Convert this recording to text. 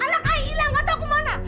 anak ayah hilang gak tau kemana